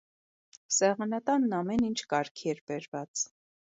Սեղանատանն ամեն ինչ կարգի էր բերված: